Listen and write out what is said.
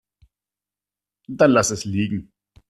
Dann lass es liegen.